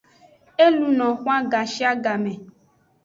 E luno xwan gashiagame.